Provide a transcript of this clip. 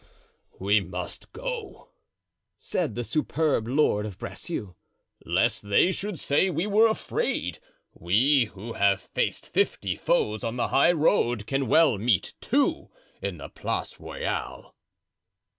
"We must go," said the superb lord of Bracieux, "lest they should say we were afraid. We who have faced fifty foes on the high road can well meet two in the Place Royale."